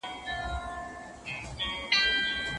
هغې ويله چې برزخ د زندگۍ نه غواړم